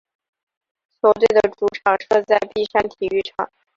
球队的主场设在碧山体育场。